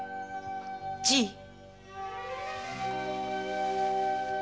じい。